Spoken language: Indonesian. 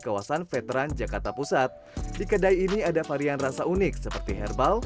kawasan veteran jakarta pusat di kedai ini ada varian rasa unik seperti herbal